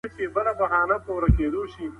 معلومات په میز باندې راټول سول.